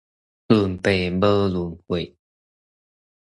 論輩無論歲